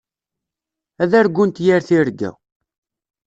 Ad argunt yir tirga.